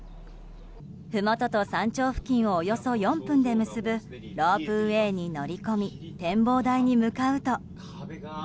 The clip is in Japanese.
ふもとと山頂付近をおよそ４分で結ぶロープウェーに乗り込み展望台に向かうと。